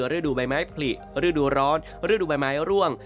ฤดูใบไม้ผลิฤดูร้อนฤดูใบไม้ร่วง